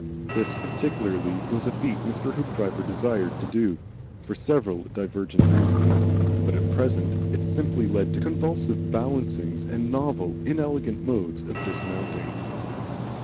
This particularly was a feat Mr. Hoopdriver desired to do, for several divergent reasons; but at present it simply led to convulsive balancings and novel and inelegant modes of dismounting.